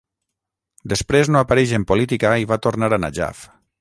Després no apareix en política i va tornar a Najaf.